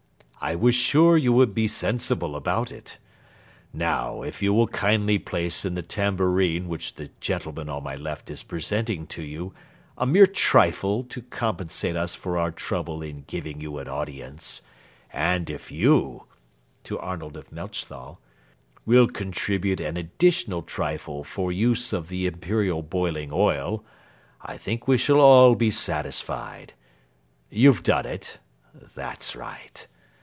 "I was sure you would be sensible about it. Now, if you will kindly place in the tambourine which the gentleman on my left is presenting to you a mere trifle to compensate us for our trouble in giving you an audience, and if you" (to Arnold of Melchthal) "will contribute an additional trifle for use of the Imperial boiling oil, I think we shall all be satisfied. You've done it? That's right.